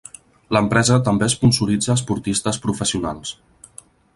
L'empresa també esponsoritza esportistes professionals.